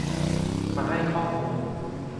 มาให้ข้อมูล